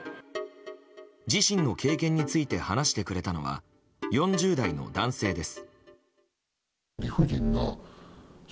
自身の経験について話してくれたのは４０代の男性です。